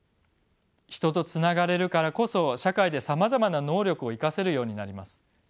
人とつながれるからこそ社会でさまざまな能力を生かせるようになります。